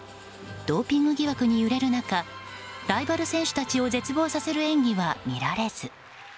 ドーピング疑惑に揺れる中ライバル選手たちを絶望させる演技は見られず。